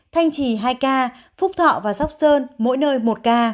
thanh trì hai ca phúc thọ và sóc sơn mỗi nơi một ca